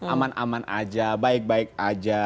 aman aman aja baik baik aja